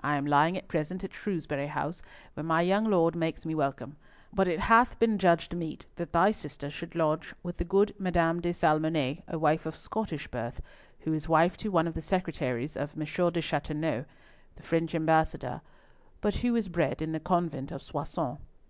I am lying at present at Shrewsbury House, where my young Lord makes me welcome, but it hath been judged meet that thy sister should lodge with the good Madame de Salmonnet, a lady of Scottish birth, who is wife to one of the secretaries of M. de Chateauneuf, the French Ambassador, but who was bred in the convent of Soissons.